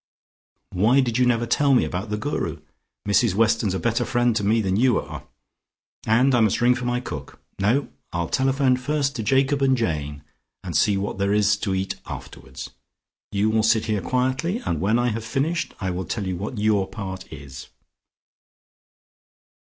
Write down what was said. Why did you never tell me about the Guru? Mrs Weston's a better friend to me than you are, and I must ring for my cook no I'll telephone first to Jacob and Jane and see what there is to eat afterwards. You will sit here quietly, and when I have finished I will tell you what your part is."